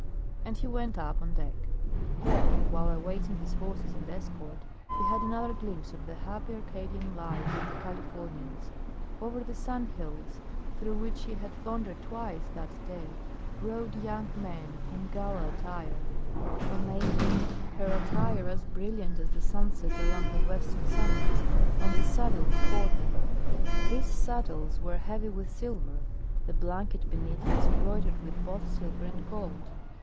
And he went up on deck. There, while awaiting his horses and escort, he had another glimpse of the happy Arcadian life of the Californians. Over the sand hills through which he had floundered twice that day rode young men in gala attire, a maiden, her attire as brilliant as the sunset along the western summits, on the saddle before them. These saddles were heavy with silver, the blanket beneath was embroidered with both silver and gold.